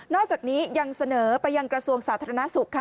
อกจากนี้ยังเสนอไปยังกระทรวงสาธารณสุขค่ะ